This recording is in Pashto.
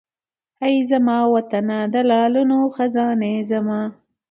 اې زما وطنه د لالونو خزانې زما